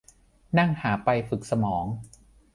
นั่งหาไป ฝึกสมอง